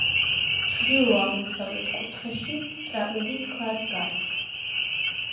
ჩრდილო-აღმოსავლეთ კუთხეში ტრაპეზის ქვა დგას.